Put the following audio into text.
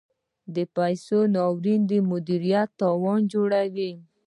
د پیسو ناوړه مدیریت تاوان جوړوي.